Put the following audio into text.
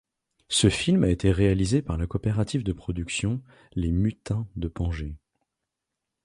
Ce film a été réalisé par la coopérative de production Les Mutins de Pangée.